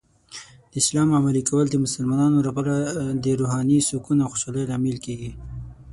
د اسلام عملي کول د مسلمانانو لپاره د روحاني سکون او خوشحالۍ لامل کیږي.